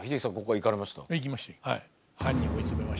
行きました。